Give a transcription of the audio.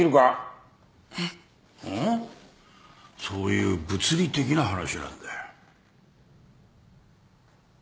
そういう物理的な話なんだよ。